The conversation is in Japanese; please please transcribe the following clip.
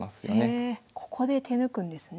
へえここで手抜くんですね。